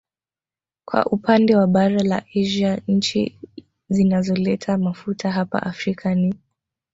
Kwa upande wa bara la Asia nchi zinazoleta mafuta hapa Afrika ni